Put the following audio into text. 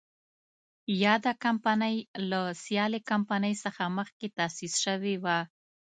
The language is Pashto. یاده کمپنۍ له سیالې کمپنۍ څخه مخکې تاسیس شوې وه.